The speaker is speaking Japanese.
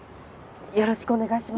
よろしくお願いします。